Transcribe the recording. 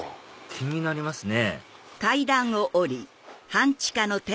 気になりますね